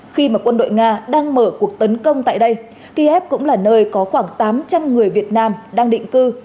khi mà quân đội nga đang mở cuộc tấn công tại đây kiev cũng là nơi có khoảng tám trăm linh người việt nam đang định cư